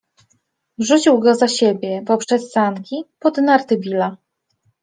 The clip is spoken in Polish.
Rzucił go za siebie, poprzez sanki, pod narty Billa.